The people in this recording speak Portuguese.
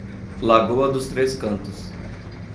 Lagoa dos Três Cantos